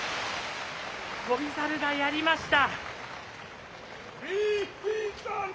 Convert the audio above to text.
翔猿がやりました。